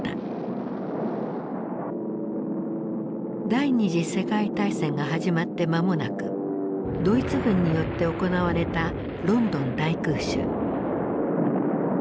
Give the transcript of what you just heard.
第二次世界大戦が始まって間もなくドイツ軍によって行われたロンドン大空襲。